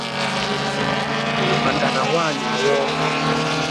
maka na nwaanyị nwụọ